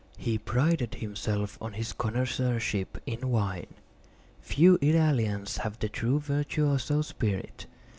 He prided himself on his connoisseurship in wine. Few Italians have the true virtuoso spirit.